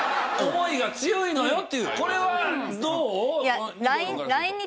思いが強いのよっていうこれはどう？